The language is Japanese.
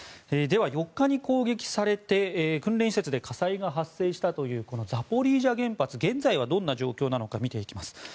では４日に攻撃されて訓練施設で火災が発生したというこのザポリージャ原発は現在はどのような状況なのか見ていきます。